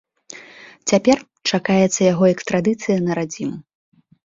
Цяпер чакаецца яго экстрадыцыя на радзіму.